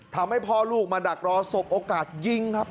ทำให้พ่อลูกมาดักรอสบโอกาสยิงครับ